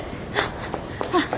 あっ！